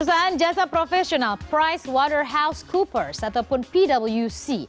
perusahaan jasa profesional pricewaterhousecoopers ataupun pwc